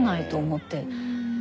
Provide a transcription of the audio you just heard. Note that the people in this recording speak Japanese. って